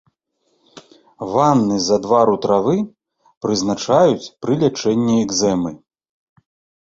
Ванны з адвару травы прызначаюць пры лячэнні экзэмы.